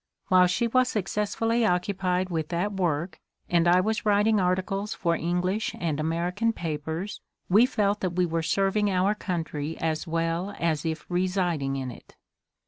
While she was successfully occupied with that work, and I was writing articles for Eng lish and American papers, we felt that we were serving our country as well as if residing in it.